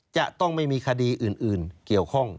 จะต้องไม่มีคดีอื่นเกี่ยวข้อง